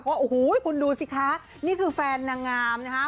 ว่าโอ้โหคุณดูสิคะนี่คือแฟนนางงามนะคะ